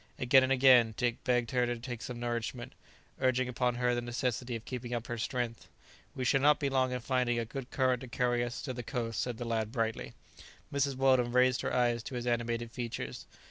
Again and again Dick begged her to take some nourishment, urging upon her the necessity of keeping up her strength. "We shall not be long in finding a good current to carry us to the coast," said the lad brightly. Mrs. Weldon raised her eyes to his animated features.